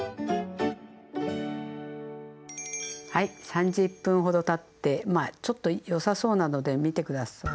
３０分ほどたってまあちょっとよさそうなので見て下さい。